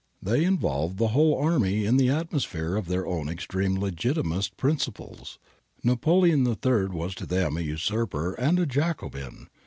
They involved the whole army in the atmosphere of their own extreme Legitimist principles. Napoleon III was to them a usurper and a Jacobin.